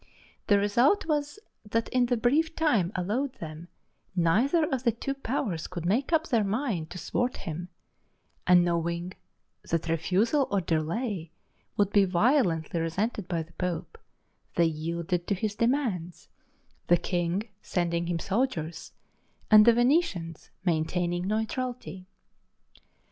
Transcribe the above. The result was that in the brief time allowed them, neither of the two powers could make up their mind to thwart him; and knowing that refusal or delay would be violently resented by the Pope, they yielded to his demands, the king sending him soldiers and the Venetians maintaining neutrality.